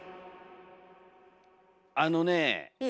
あのねえ。